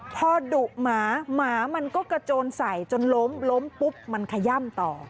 พอดุหมาหมามันก็กระโจนใส่จนล้มล้มปุ๊บมันขย่ำต่อ